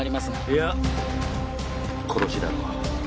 いや殺しだろう。